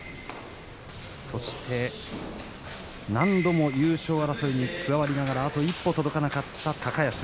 そして何度も優勝争いに加わりながらあと一歩届かなかった高安